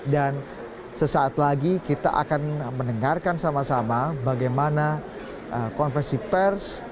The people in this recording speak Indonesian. dan sesaat lagi kita akan mendengarkan sama sama bagaimana konversi pers